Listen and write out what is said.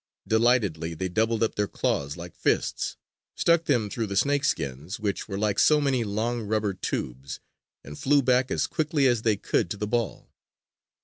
Delightedly they doubled up their claws like fists, stuck them through the snakeskins, which were like so many long rubber tubes, and flew back as quickly as they could to the ball.